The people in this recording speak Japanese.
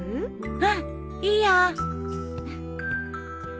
うんいいよ。